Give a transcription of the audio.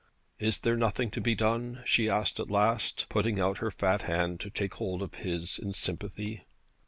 'Is there nothing to be done?' she asked at last, putting out her fat hand to take hold of his in sympathy.